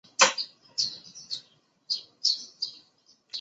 殿试登进士第三甲第六十名。